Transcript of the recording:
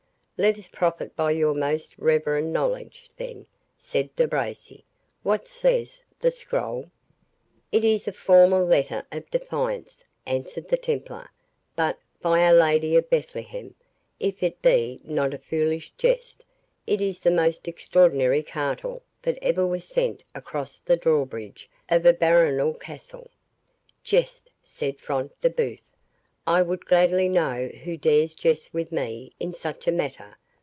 "Let us profit by your most reverend knowledge, then," said De Bracy; "what says the scroll?" "It is a formal letter of defiance," answered the Templar; "but, by our Lady of Bethlehem, if it be not a foolish jest, it is the most extraordinary cartel that ever was sent across the drawbridge of a baronial castle." "Jest!" said Front de Bœuf, "I would gladly know who dares jest with me in such a matter!